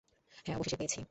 হ্যাঁ, অবশেষে পেয়েছি।